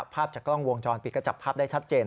ภาพจากกล้องวงจรปิดก็จับภาพได้ชัดเจน